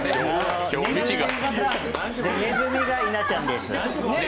ネズミが稲ちゃんです。